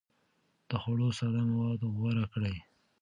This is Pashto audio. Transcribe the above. د خوړو ساده مواد غوره کړئ.